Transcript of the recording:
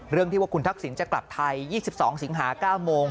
เรื่องที่ว่าคุณทักษิณจะกลับไทย๒๒สิงหา๙โมง